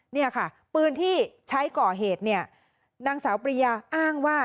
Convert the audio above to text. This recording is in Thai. เนี่ยค่ะปืนที่ใช้ก่อเหตุเนี่ยนางสาวปริยาอ้างว่า